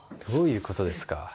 どういうことですか。